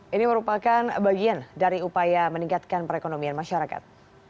ini merupakan bagian dari upaya meningkatkan perekonomian masyarakat